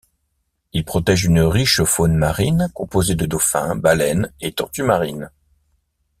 Il protège une riche faune marine composée de dauphins, baleines et tortues marines.